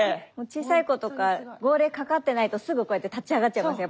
小さい子とか号令かかってないとすぐこうやって立ち上がっちゃいます